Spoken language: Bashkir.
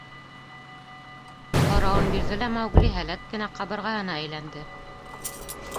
— Һорауын бирҙе лә Маугли һәләт кенә ҡабырғаһына әйләнде.